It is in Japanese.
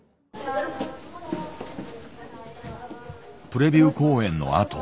プレビュー公演のあと。